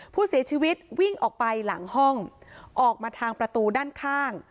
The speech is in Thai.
ผู้เสียชีวิตวิ่งออกไปหลังห้องออกมาทางประตูด้านข้าง